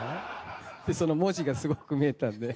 文字がすごく見えたんで。